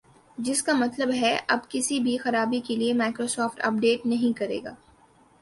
جس کا مطلب ہے اب کسی بھی خرابی کے لئے مائیکروسافٹ اپ ڈیٹ نہیں کرے گا